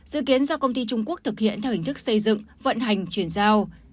dự kiến do công ty trung quốc thực hiện theo hình thức xây dựng vận hành chuyển giao